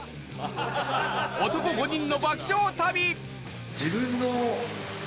男５人の爆笑旅！